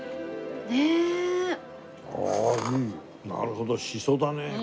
なるほどしそだね。